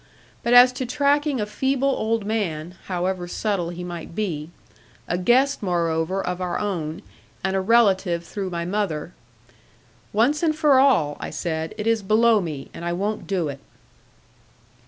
But as to tracking a feeble old man (however subtle he might be), a guest moreover of our own, and a relative through my mother. 'Once for all,' I said, 'it is below me, and I won't do it.'